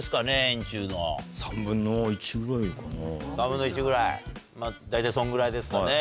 ３分の１ぐらい大体そんぐらいですかね。